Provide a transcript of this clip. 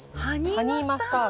ハニーマスタード。